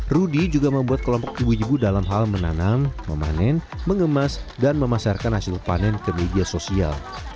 rudy juga membuat kelompok ibu ibu dalam hal menanam memanen mengemas dan memasarkan hasil panen ke media sosial